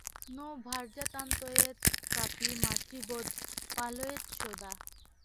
ন ভার্যান্তাড়য়েৎ ক্বাপি মাতৃবৎ পালয়েৎ সদা।